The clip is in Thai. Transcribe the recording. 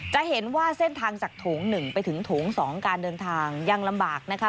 จะเห็นว่าเส้นทางจากโถง๑ไปถึงโถง๒การเดินทางยังลำบากนะคะ